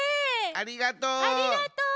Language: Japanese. ありがとう。